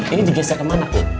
ini digeser kemana kum